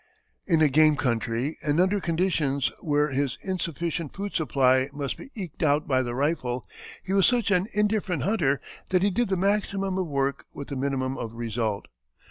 In a game country, and under conditions where his insufficient food supply must be eked out by the rifle, he was such an indifferent hunter that he did the maximum of work with the minimum of result.